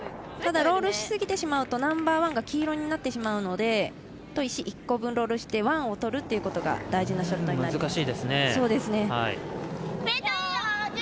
ただ、ロールしすぎてしまうとナンバーワンが黄色になってしまうので石一個分、飛ばしてワンを取るという大事なショットになってきます。